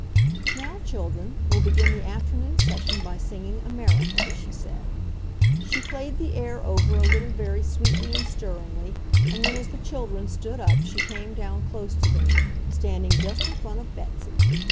"Now, children, we'll begin the afternoon session by singing 'America,'" she said. She played the air over a little very sweetly and stirringly, and then as the children stood up she came down close to them, standing just in front of Betsy.